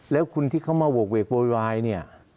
แล้วคนที่เขามาโหกเวกโวยวายเนี่ย